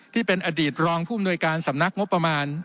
ที่เป็นอดีตรองผู้อำนวยการสำนักงบประมาณ